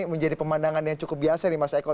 menjadi pemandangan yang cukup biasa di masa ekot